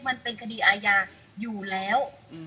มันเป็นคดีอาญาอยู่แล้ว